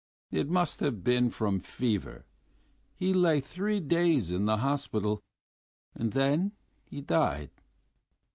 It must have been from fever.... He lay three days in the hospital and then he died....